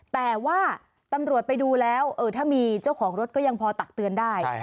แต่ว่าตำรวจไปดูแล้วถ้ามีเจ้าของรถก็ยังพอตักเตือนได้